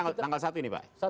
jadi ini tanggal satu ini pak